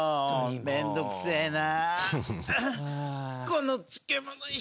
めんどくせえな。